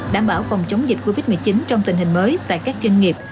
đảm bảo phòng chống dịch covid một mươi chín trong tình hình mới tại các doanh nghiệp